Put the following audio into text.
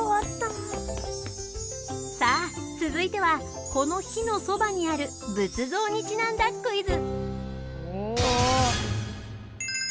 さあ続いてはこの火のそばにある仏像にちなんだクイズ。